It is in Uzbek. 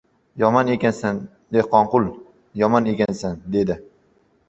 — Yomon ekansan, Dehqonqul, yomon ekansan, — dedi.